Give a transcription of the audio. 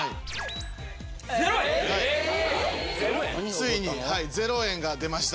ついに０円が出ました。